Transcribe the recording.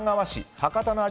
博多の味